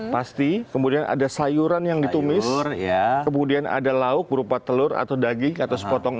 pasti kemudian ada sayuran yang ditumis kemudian ada lauk berupa telur atau daging atau sepotong